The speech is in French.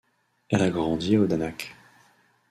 Elle a grandi à Odanak.